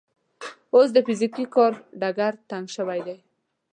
اوس د فزیکي کار ډګر تنګ شوی دی.